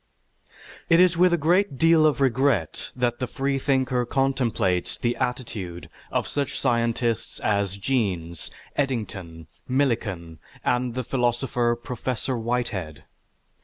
It is with a great deal of regret that the freethinker contemplates the attitude of such scientists as Jeans, Eddington, Millikan, and the philosopher Professor Whitehead.